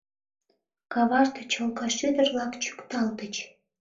Каваште чолга шӱдыр-влак чӱкталтыч.